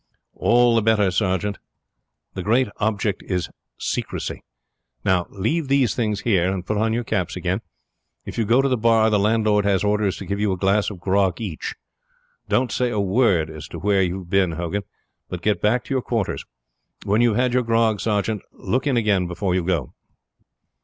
"All the better, sergeant. The great object is secrecy. Now, leave these things here and put on your caps again. If you go to the bar the landlord has orders to give you a glass of grog each. Don't say a word as to where you have been, Hogan, but get back to your quarters. When you have had your grog, sergeant, look in again before you go."